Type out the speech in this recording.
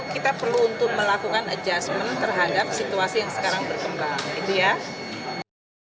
kita perlu untuk melakukan adjustment terhadap situasi yang sekarang berkembang